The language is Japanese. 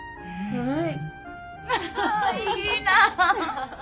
はい。